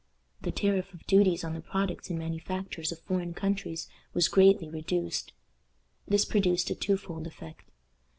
The tariff of duties on the products and manufactures of foreign countries was greatly reduced. This produced a two fold effect.